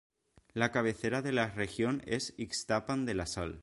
La cabecera de la región es Ixtapan de la Sal.